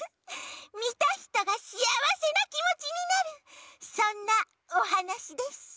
みたひとがしあわせなきもちになるそんなおはなしです。